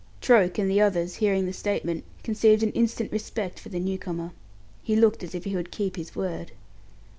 Troke and the others, hearing the statement, conceived an instant respect for the new comer. He looked as if he would keep his word.